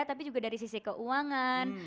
tapi juga dari sisi keuangan